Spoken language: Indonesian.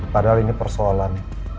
padahal ini persoalan